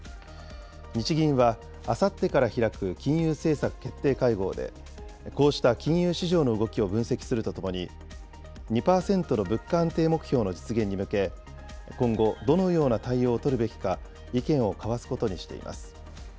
日銀はあさってから開く金融政策決定会合で、こうした金融市場の動きを分析するとともに、２％の物価安定目標の実現に向け、今後どのような対応を取るべきか意見を交わすことにしています。